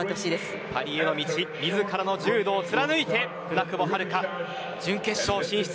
パリへの道自らの柔道を貫いて舟久保遥香、準決勝進出。